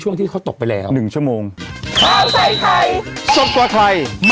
ไอ้กระดำ